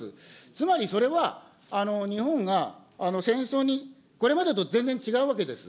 つまりそれは日本が、戦争に、これまでと全然違うわけです。